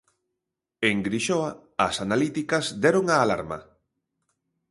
En Grixoa, as analíticas deron a alarma.